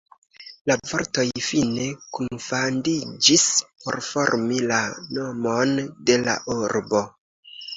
La vortoj fine kunfandiĝis por formi la nomon de la urbo.